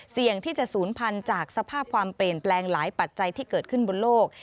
เสี่ยงที่จะศูนย์พันธุ์จากสภาพความเปลี่ยนแปลงหลายปัจจัยที่เกิดขึ้นบนโลก